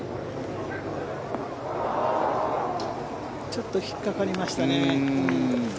ちょっと引っかかりましたね。